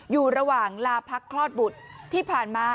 อยู่ระหว่างลาพักคลอดบุตรที่ผ่านมา